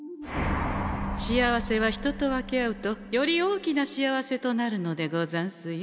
幸せは人と分け合うとより大きな幸せとなるのでござんすよ。